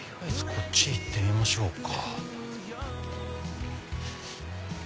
こっち行ってみましょうか。